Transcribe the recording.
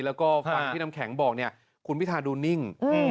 แล้วก็ฟังที่น้ำแข็งบอกเนี่ยคุณพิธาดูนิ่ง